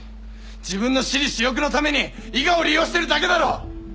自分の私利私欲のために伊賀を利用してるだけだろ！